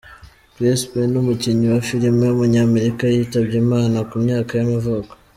Chris Penn, umukinnyi wa filime w’umunyamerika yitabye Imana ku myaka y’amavuko.